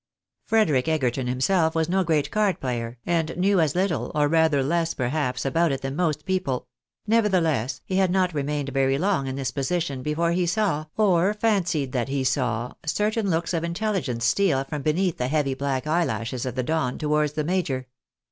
Frederic Egerton himself was no great card player, and knew as little, or rather less, perhaps, about it than most people ; nevertheless, he had not remained very long in this posi tion before he saw, or fancied that he saw, certain looks of intelli gence steal from beneath the heavy black eyelashes of the Don towards the major.